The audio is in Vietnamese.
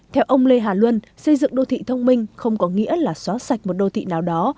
theo ông lê hà luân xây dựng đô thị thông minh không có nghĩa là xóa sạch một đô thị nào đó